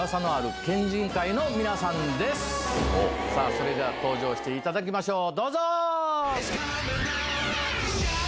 さぁ登場していただきましょうどうぞ！